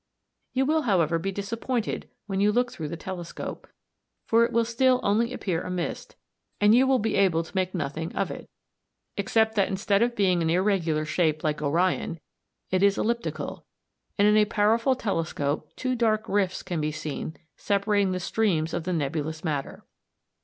You will, however, be disappointed when you look through the telescope, for it will still only appear a mist, and you will be able to make nothing of it, except that instead of being of an irregular shape like Orion, it is elliptical; and in a powerful telescope two dark rifts can be seen separating the streams of nebulous matter.